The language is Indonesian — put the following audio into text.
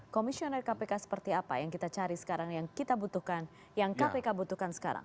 komisioner kpk seperti apa yang kita cari sekarang yang kita butuhkan yang kpk butuhkan sekarang